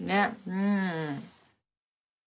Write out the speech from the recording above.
うん。